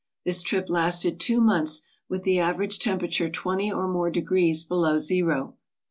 This trip lasted two months, with the average temperature twenty or more degrees below zero.